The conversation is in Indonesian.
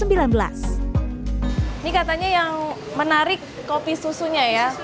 ini katanya yang menarik kopi susunya ya